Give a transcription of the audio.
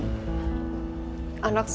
tapi mau sampai kapan mas herman